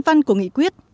văn của nghị quyết